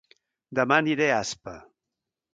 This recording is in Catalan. Dema aniré a Aspa